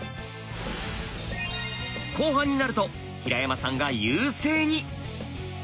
後半になると平山さんが優勢に！